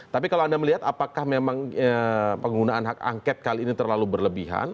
tapi kalau anda melihat apakah memang penggunaan hak angket kali ini terlalu berlebihan